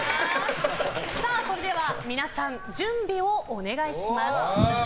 それでは皆さん準備をお願いします。